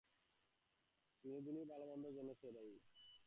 সে মনকে বুঝাইল–বিনোদিনী তাহার অভিভাবকতায় আছে, বিনোদিনীর ভালোমন্দের জন্য সে দায়ী।